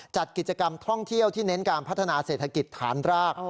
จัดกิจกรรมท่องเที่ยวที่เน้นการพัฒนาเศรษฐกิจฐานราก